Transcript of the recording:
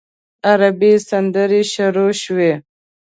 عربي سندرې شروع شوې.